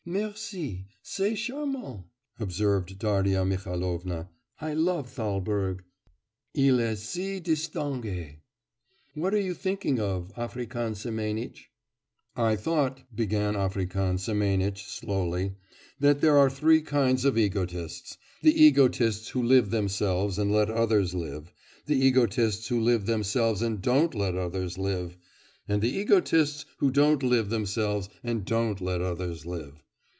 'Merci, c'est charmant,' observed Darya Mihailovna, 'I love Thalberg. Il est si distingué. What are you thinking of, African Semenitch?' 'I thought,' began African Semenitch slowly, 'that there are three kinds of egoists; the egoists who live themselves and let others live; the egoists who live themselves and don't let others live; and the egoists who don't live themselves and don't let others live.